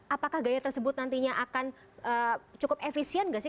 apakah gaya tersebut nantinya akan cukup efisien nggak sih